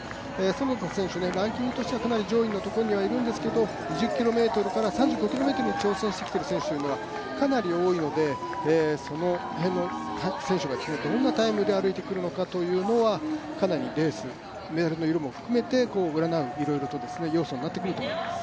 園田選手、ランキングとしてはかなり上位のところにはいるんですが２０ｋｍから３５ｋｍに挑戦してきている選手はかなり多いので、その辺の選手がどんなタイムで歩いてくるのかというのはかなりレース、メダルの色も含めていろいろな要素になってくると思います。